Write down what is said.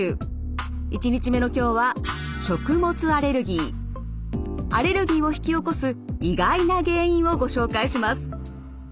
１日目の今日はアレルギーを引き起こす意外な原因をご紹介します。